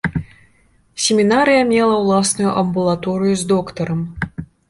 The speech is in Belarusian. Семінарыя мела ўласную амбулаторыю з доктарам.